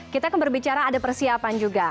kita kan berbicara ada persiapan juga